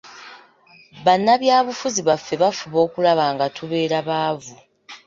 Bannabyabufuzi baffe bafuba okulaba nga tubeera baavu.